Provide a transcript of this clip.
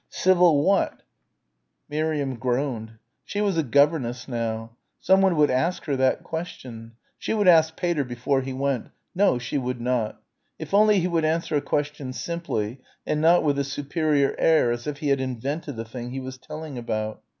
Civil what? Miriam groaned. She was a governess now. Someone would ask her that question. She would ask Pater before he went.... No, she would not.... If only he would answer a question simply, and not with a superior air as if he had invented the thing he was telling about.